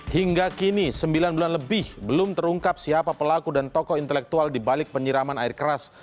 hingga kini sembilan bulan lebih belum terungkap siapa pelaku dan tokoh intelektual dibalik penyiraman air keras